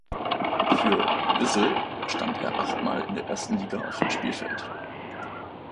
Für Vissel stand er achtmal in der ersten Liga auf dem Spielfeld.